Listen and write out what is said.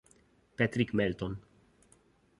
Patrick Melton